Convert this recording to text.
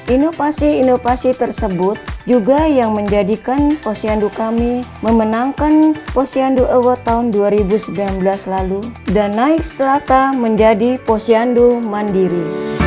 inovasi inovasi tersebut juga yang menjadikan posyandu kami memenangkan posyandu award tahun dua ribu sembilan belas lalu dan naik serata menjadi posyandu mandiri